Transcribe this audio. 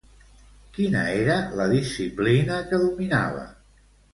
Quina era la disciplina que dominava?